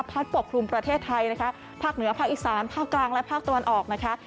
ปกครุมประเทศไทยนะคะภาคเหนือภาคอีสานภาคกลางและภาคตะวันออกนะคะ